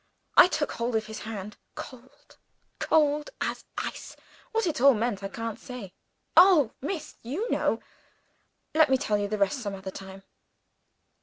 I took hold of his hand. Cold cold as ice. What it all meant I can't say. Oh, miss, you know! Let me tell you the rest of it some other time."